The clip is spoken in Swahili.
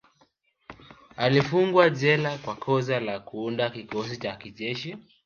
Alifungwa jela kwa kosa la Kuunda kikosi cha kijeshi